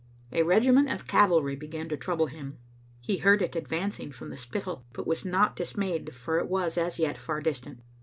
A regiment of cavalry began to trouble him. He heard it advancing from the Spittal, but was not dis mayed, for it was, as yet, far distant.